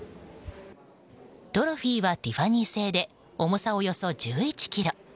トロフィーはティファニー製で重さおよそ１１ｋｇ。